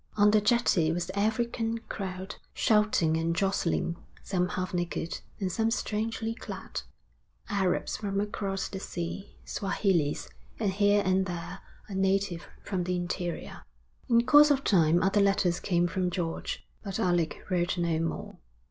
On the jetty was the African crowd, shouting and jostling, some half naked, and some strangely clad, Arabs from across the sea, Swahilis, and here and there a native from the interior. In course of time other letters came from George, but Alec wrote no more.